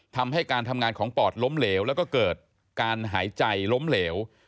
ทำให้การทำงานของปอดล้มเหลวแล้วก็เกิดการหายใจล้มเหลว